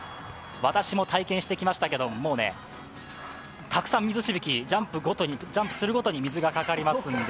私も体験してきましたけど、たくさん水しぶき、ジャンプするごとに水がかかりますんで、